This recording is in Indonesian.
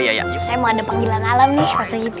saya mau ada panggilan alam nih pak sergiti